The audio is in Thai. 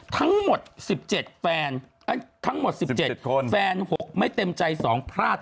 ทั้งหมด๑๗แฟนทั้งหมด๑๗คนแฟน๖ไม่เต็มใจ๒พลาด